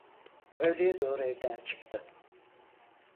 Öğleye doğru evden çıktı.